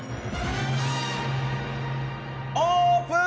オープン！